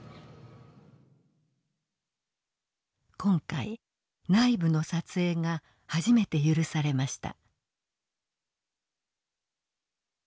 今回内部の撮影が初めて許されました。